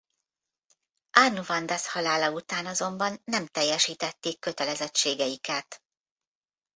Arnuvandasz halála után azonban nem teljesítették kötelezettségeiket.